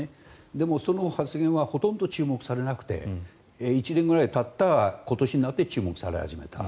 でも、その発言はほとんど注目されなくて１年くらいたった今年になって注目され始めた。